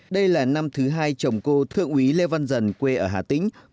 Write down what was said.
đây là năm thứ hai chồng cô thượng úy lê văn dần quê ở hà tĩnh